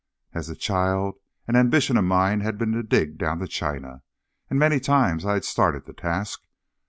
As a child, an ambition of mine had been to dig down to China, and many times I had started the task.